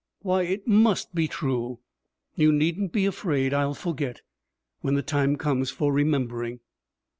Why, it must be true! You needn't be afraid I'll forget when the time comes for remembering.'